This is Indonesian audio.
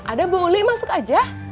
ada bu uli masuk aja